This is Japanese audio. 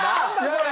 これ！